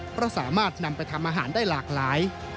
เพราะสามารถนำไปทำอาหารได้หลากหลาย